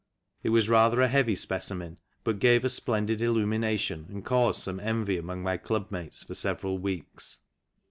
It was rather a heavy specimen, but gave a splendid illumination and caused some envy among my club mates for several weeks.